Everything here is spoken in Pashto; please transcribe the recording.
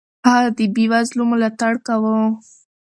هغه د بېوزلو ملاتړ کاوه.